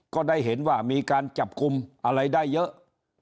ก็ได้เห็นว่ามีการจับกลุ่มอะไรได้เยอะ